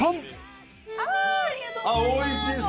ありがとうございます。